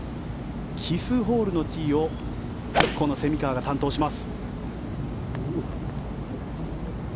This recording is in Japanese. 奇数ホールのティーをこの蝉川が担当します。